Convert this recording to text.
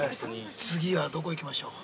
◆次はどこ行きましょう。